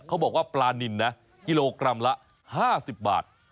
เขาบอกว่าปลานินนะกิโลกรัมละ๕๐บาท